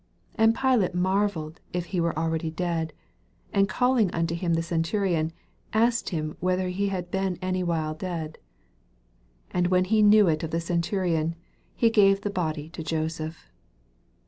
44 And Pilate marvelled if he were already dead : and calling unto kirn the centurion, he asked him whether he had been any while dead. 45 And when he knew it of the centurion, he gave the body to Joseph.